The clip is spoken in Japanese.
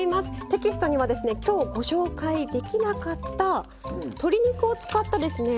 テキストには今日ご紹介できなかった鶏肉を使ったですね